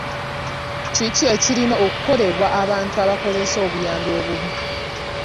Kiki ekirina okukolebwa abantu abakozesa obubi obuyambi?